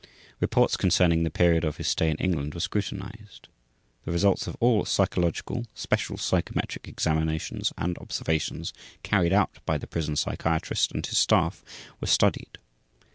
Reports concerning the period of his stay in England were scrutinized. The results of all psychological, special psychometric examinations, and observations carried out by the prison psychiatrist and his staff were studied.